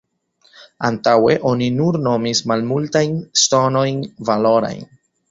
Antaŭe oni nur nomis malmultajn ŝtonojn valorajn.